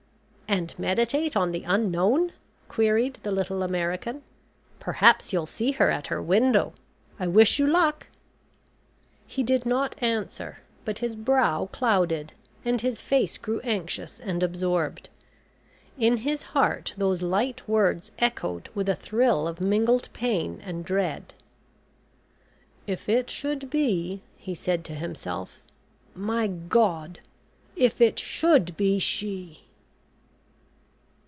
"And meditate on the Unknown?" queried the little American. "Perhaps you'll see her at her window. I wish you luck." He did not answer, but his brow clouded and his face grew anxious and absorbed. In his heart those light words echoed with a thrill of mingled pain and dread. "If it should be," he said to himself. "My God if it should be she?"